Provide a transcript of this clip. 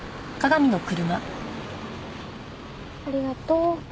ありがとう。